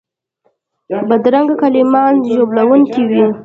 بدرنګه کلمات ژوبلونکي وي